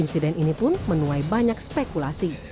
insiden ini pun menuai banyak spekulasi